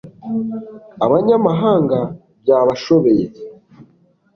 abanyamahanga byabashobeye